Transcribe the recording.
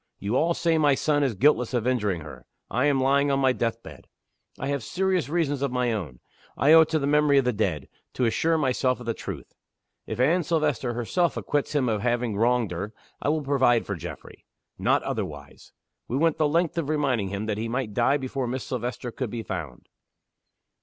You all say my son is guiltless of injuring her. I am lying on my death bed. I have serious reasons of my own I owe it to the memory of the dead to assure myself of the truth. If Anne Silvester herself acquits him of having wronged her, I will provide for Geoffrey. Not otherwise.' We went the length of reminding him that he might die before Miss Silvester could be found.